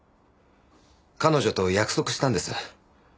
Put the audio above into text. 彼女と約束したんです。